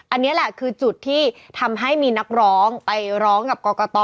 อันนี้แหละคือจุดที่ทำให้มีนักร้องไปร้องกับกรกต